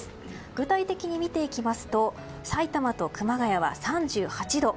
具体的に見ていきますとさいたまと熊谷は３８度。